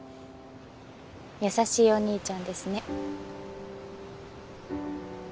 優しいお兄ちゃんですね。